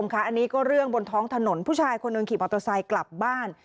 อก็เป็นเรื่องบนท้องถนนผู้ชายคนเอิงขิบอัตโตไซต์กลับบ้าน